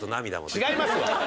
違いますわ！